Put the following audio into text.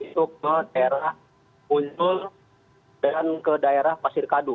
itu ke daerah unjul dan ke daerah pasir kaduh